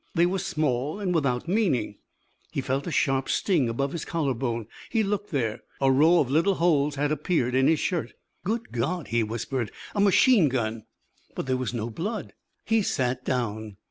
They were small and without meaning. He felt a sharp sting above his collar bone. He looked there. A row of little holes had appeared in his shirt. "Good God," he whispered, "a machine gun." But there was no blood. He sat down.